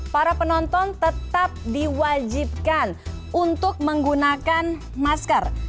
para penonton tetap diwajibkan untuk menggunakan masker